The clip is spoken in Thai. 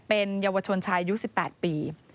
เป็นเยาวชนชาย๑๘ปี